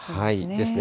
ですね。